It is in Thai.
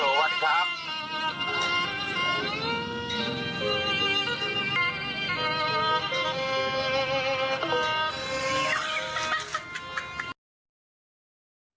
สวัสดีครับ